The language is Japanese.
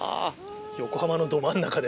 横浜のど真ん中で。